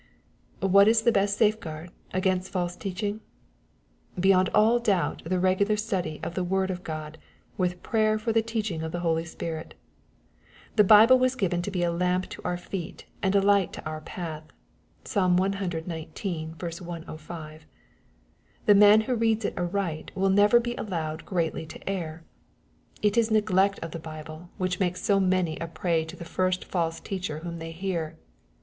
What is the best safe guard against false teaching ? Beyond all doubt the regular study of the word of God, with prayer for the teaching of the Holy Spirit. The Bible was given to be a lamp to our feet and a light to our path. (PsaL cxix, 105.) Theman who reads it aright will never be allowed greatly to err. It is neglect, of the MATTHEW, OHAP. VII. 89 Bible whi ch makes so m any a prey to fche first falM teacher whom they hear.